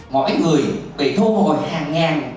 mỗi người bị thu hồi hàng ngàn